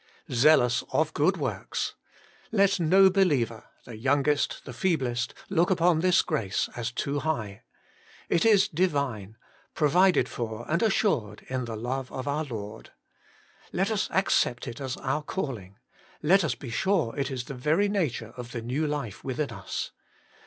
'Zealous of good ivorks!' Let no be liever, the youngest, the feeblest, look upon this grace as too high. It is Divine, pro vided for and assured in the love of our Lord. Let us accept it as our calling. Let us be sure it is the very nature of the new life within us.